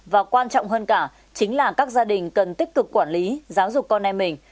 và quan trọng hơn cả chính là các gia đình cần tích cực quản lý giáo dục con em mình